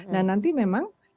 nah nanti memang